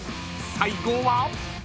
［最後は］